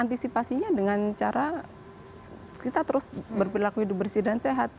antisipasinya dengan cara kita terus berperilaku hidup bersih dan sehat